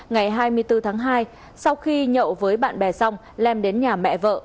ngày hai mươi bốn tháng hai sau khi nhậu với bạn bè xong lam đến nhà mẹ vợ